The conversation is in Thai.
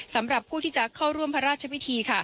สำหรับผู้ที่จะเข้าร่วมพระราชพิธี